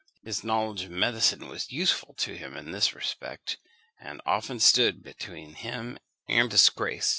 His knowledge of medicine was useful to him in this respect, and often stood between him and disgrace.